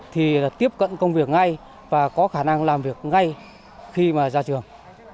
thì tiếp cận công việc ngay và có khả năng làm việc ngay khi mà ra trường